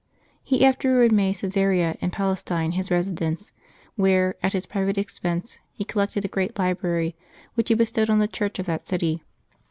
He afterward made Caesarea, in Palestine, his residence, where, at his private expense, he collected a great library, which he bestowed on the church of that city.